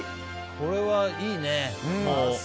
これはいいね。